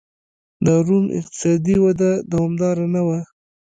د روم اقتصادي وده دوامداره نه وه.